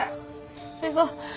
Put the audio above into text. それは。